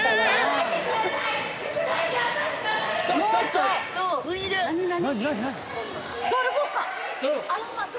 もうちょっと何何？